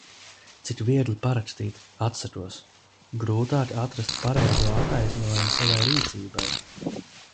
Cik viegli parakstīt – atsakos. Grūtāk atrast pareizo attaisnojumu savai rīcībai.